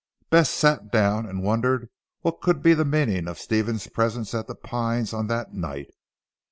Bess sat down and wondered what could be the meaning of Stephen's presence at "The Pines" on that night.